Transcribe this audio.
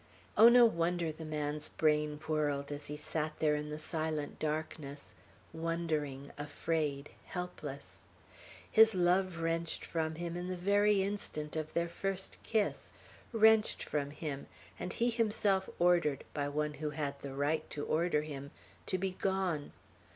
Oh, no wonder the man's brain whirled, as he sat there in the silent darkness, wondering, afraid, helpless; his love wrenched from him, in the very instant of their first kiss, wrenched from him, and he himself ordered, by one who had the right to order him, to begone!